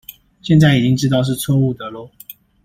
現在已經知道是錯誤的囉